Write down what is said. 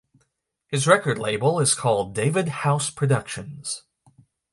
His record label is called David House Productions.